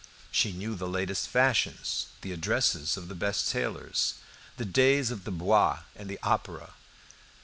She knew the latest fashions, the addresses of the best tailors, the days of the Bois and the Opera.